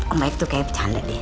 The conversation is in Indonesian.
oh baik tuh kayak bercanda deh